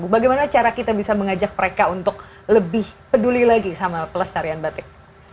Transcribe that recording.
bagaimana cara kita bisa mengajak mereka untuk lebih peduli lagi sama pelestarian batik